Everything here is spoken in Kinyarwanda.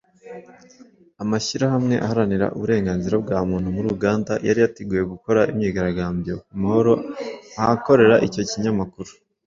Amashyirahamwe aharanira uburenganzira bwa muntu muri Uganda yari yateguye gukora imyigaragambyo mu mahoro ahakorera icyo kinyamakuru